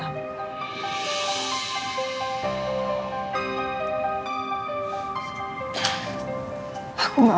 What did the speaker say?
sama sama baju